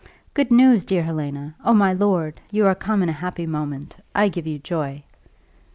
"Good news, dear Helena! Oh, my lord! you are come in a happy moment I give you joy."